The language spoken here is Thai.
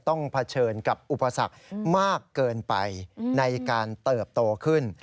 เผชิญกับอุปสรรคมากเกินไปในการเติบโตขึ้น